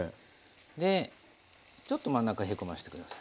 でちょっと真ん中へこまして下さい。